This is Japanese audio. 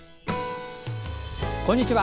こんにちは。